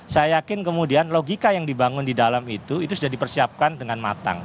saya yakin kemudian logika yang dibangun di dalam itu itu sudah dipersiapkan dengan matang